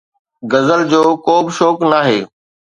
غزل جو ڪو به شوق ناهي